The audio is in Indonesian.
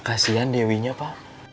kasian dewinya pak